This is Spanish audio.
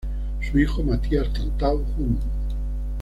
Su hijo Mathias Tantau jun.